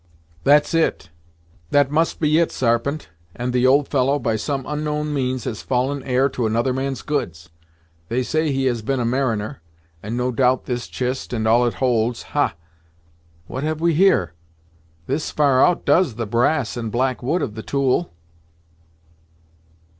"That's it that must be it, Sarpent, and the old fellow, by some onknown means, has fallen heir to another man's goods! They say he has been a mariner, and no doubt this chist, and all it holds ha! What have we here? This far out does the brass and black wood of the tool!"